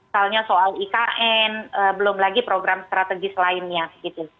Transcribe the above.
soalnya soal ikn belum lagi program strategis lainnya gitu